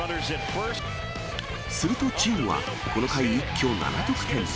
するとチームは、この回、一挙７得点。